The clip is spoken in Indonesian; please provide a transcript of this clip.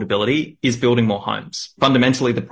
pemerintah bisa berbuat lebih banyak untuk mempercepat langkah ini